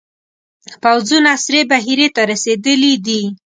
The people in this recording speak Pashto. پوځونه سرې بحیرې ته رسېدلي دي.